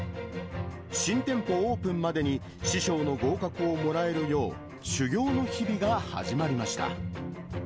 新店舗オープンまでに師匠の合格をもらえるよう修業の日々が始まりました。